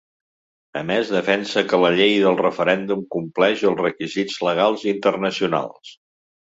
A més, defensa que la llei del referèndum compleix els requisits legals internacionals.